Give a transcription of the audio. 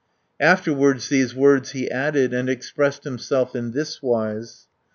Afterwards these words he added, And expressed himself in thiswise.